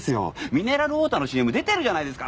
ミネラルウォーターのＣＭに出てるじゃないですか。